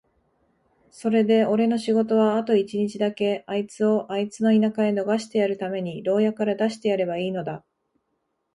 それでおれの仕事はあと一日だけ、あいつをあいつの田舎へ逃してやるために牢屋から出してやればいいのだ。